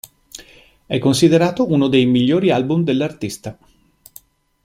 È considerato uno dei migliori album dell'artista.